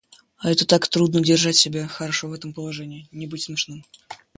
А это так трудно держать себя хорошо в этом положении — не быть смешным.